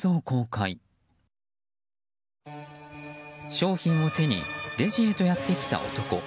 商品を手にレジへとやってきた男。